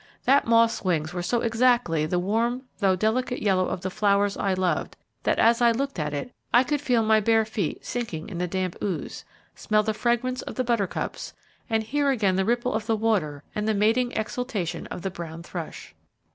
That moth's wings were so exactly the warm though delicate yellow of the flowers I loved, that as I looked at it I could feel my bare feet sinking in the damp ooze, smell the fragrance of the buttercups, and hear again the ripple of the water and the mating exultation of the brown thrush.